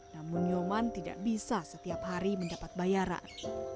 namun nyoman tidak bisa setiap hari mendapat bayaran